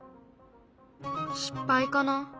失敗かな。